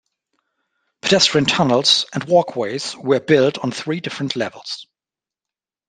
Pedestrian tunnels and walkways were built on three different levels.